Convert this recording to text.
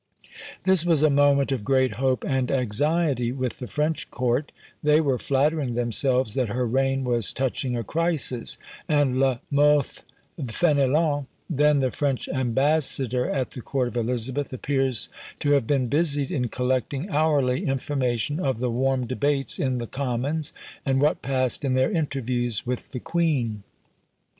This was a moment of great hope and anxiety with the French court; they were flattering themselves that her reign was touching a crisis; and La Mothe Fenelon, then the French ambassador at the court of Elizabeth, appears to have been busied in collecting hourly information of the warm debates in the commons, and what passed in their interviews with the queen.